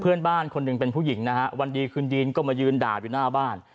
เพื่อนบ้านคนหนึ่งเป็นผู้หญิงนะฮะวันดีคืนดีนก็มายืนด่าอยู่หน้าบ้าน